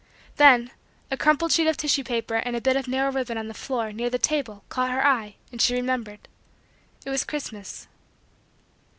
Then, a crumpled sheet of tissue paper and a bit of narrow ribbon on the floor, near the table, caught her eye and she remembered. It was Christmas.